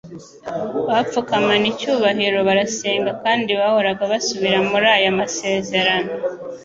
bapfukamana icyubahiro barasenga kandi bahoraga basubira muri aya masezerano